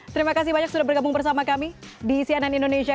terima kasih banyak sudah bergabung bersama kami di cnn indonesia